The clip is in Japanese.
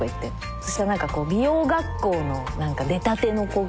そしたら何かこう美容学校の何か出たての子が。